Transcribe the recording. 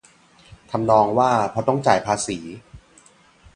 ทำนองว่า พอต้องจ่ายภาษี